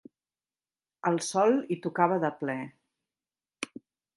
El sol hi tocava de ple.